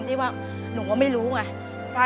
เปลี่ยนเพลงเพลงเก่งของคุณและข้ามผิดได้๑คำ